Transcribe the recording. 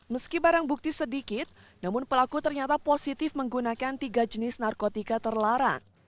meski barang bukti sedikit namun pelaku ternyata positif menggunakan tiga jenis narkotika terlarang